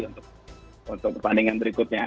untuk perbandingan berikutnya